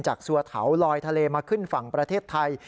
ซัวเถาลอยทะเลมาขึ้นฝั่งประเทศไทย